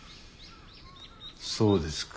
そうですか。